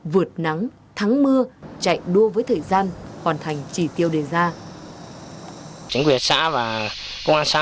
vượt nắng thắng mưa chạy đua với thời gian hoàn thành chỉ tiêu đề ra